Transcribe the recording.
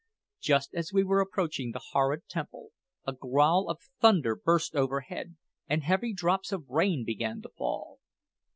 Just as we were approaching the horrid temple, a growl of thunder burst overhead, and heavy drops of rain began to fall.